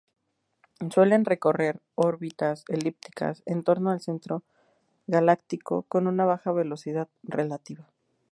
Suelen recorrer órbitas elípticas en torno al centro galáctico, con una baja velocidad relativa.